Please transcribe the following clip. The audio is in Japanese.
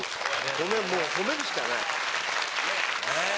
ごめん褒めるしかない。